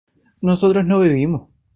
nosotros no bebimos